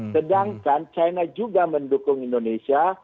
sedangkan china juga mendukung indonesia